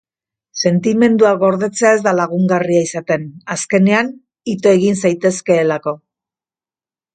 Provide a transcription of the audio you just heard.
Sentimenduak gordetzea ez da lagungarria izaten, azkenean ito egin zaitezkeelako.